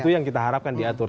itu yang kita harapkan diatur